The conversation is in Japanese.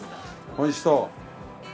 おいしそう。